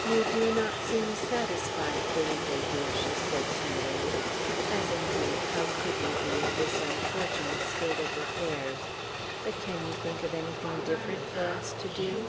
"You do not seem satisfied, Felipe dear," she said tenderly. "As, indeed, how could you be in this unfortunate state of affairs? But can you think of anything different for us to do?"